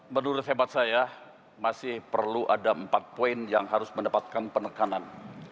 menurut hemat saya masih perlu ada empat poin yang harus mendapatkan penekanan